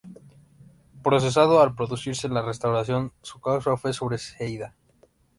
Procesado al producirse la Restauración, su causa fue sobreseída.